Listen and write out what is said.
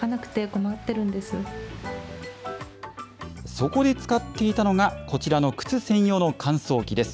そこで使っていたのが、こちらの靴専用の乾燥機です。